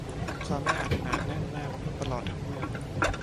ความแออัดหนาแน่นมากตลอดทั้งเมือง